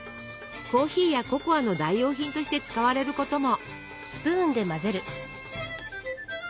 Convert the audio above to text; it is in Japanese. コーヒーやココアの代用品として使われることも。